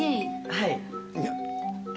はい。